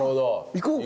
行こうか。